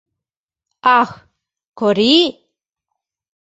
Ах, Корий?!